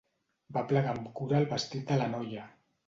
Va aplegar amb cura el vestit de la noia.